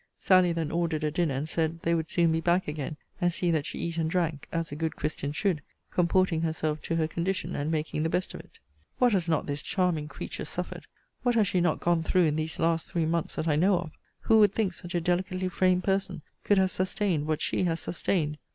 Sally then ordered a dinner, and said, They would soon be back a gain, and see that she eat and drank, as a good christian should, comporting herself to her condition, and making the best of it. What has not this charming creature suffered, what has she not gone through, in these last three months, that I know of! Who would think such a delicately framed person could have sustained what she has sustained!